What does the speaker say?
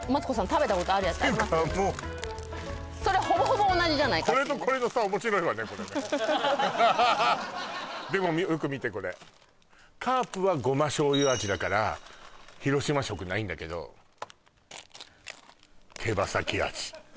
食べたことあるやつていうかもうそれほぼほぼ同じじゃないかっていうねでもよく見てこれカープはごましょうゆ味だから広島色ないんだけど手羽先味